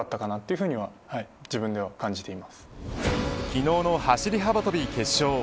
昨日の走幅跳び決勝。